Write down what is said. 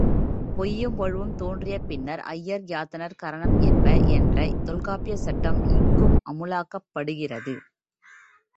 பொய்யும் வழுவும் தோன்றிய பின்னர், ஐயர் யாத்தனர் கரணம் என்ப என்ற தொல்காப்பியச் சட்டம் இங்கும் அமுலாக்கப்படுகிறது.